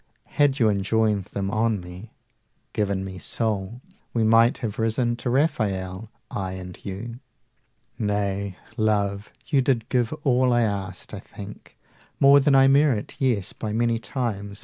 Had you enjoined them on me, given me soul, We might have risen to Rafael, I and you! Nay, Love, you did give all I asked, I think 120 More than I merit, yes, by many times.